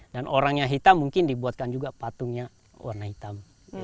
dan orangnya hitam mungkin dibuatkan juga patungnya warna hitam